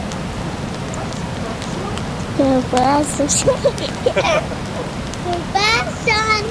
Кристијано Роналдо со скапоцен подарок ја изненади мама Марија Долорес